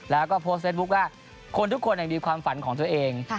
แล้วก็โพสต์เฟซบุ๊คว่าคนทุกคนมีความฝันของตัวเอง